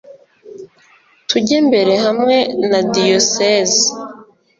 tujye mbere hamwe na diyosezi